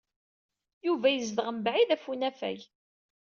Yuba yezdeɣ mebɛid ɣef unafag.